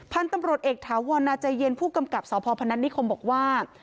พันธุ์ตำรวจเอกถาวรนาใจเย็นผู้กำกับสพพนัฐนิคมบอกว่า